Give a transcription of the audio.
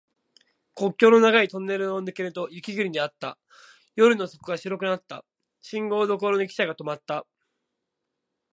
国境の長いトンネルを抜けると雪国であった。夜の底が白くなった。信号所にきしゃが止まった。